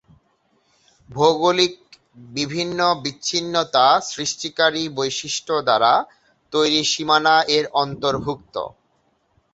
ভৌগোলিক বিভিন্ন বিচ্ছিন্নতা সৃষ্টিকারী বৈশিষ্ট্য দ্বারা তৈরি সীমানা এর অন্তর্ভুক্ত।